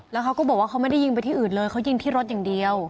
แล้วเขาก็บอกว่าเขาไม่ได้ยิงไปที่อื่นเลยเขายิงที่รถอย่างเดียว